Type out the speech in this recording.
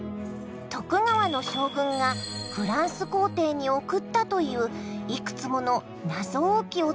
徳川の将軍がフランス皇帝に贈ったといういくつもの謎多き